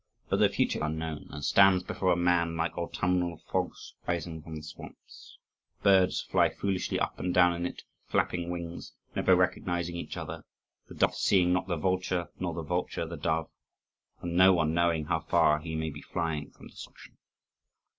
But the future is unknown, and stands before a man like autumnal fogs rising from the swamps; birds fly foolishly up and down in it with flapping wings, never recognising each other, the dove seeing not the vulture, nor the vulture the dove, and no one knowing how far he may be flying from destruction.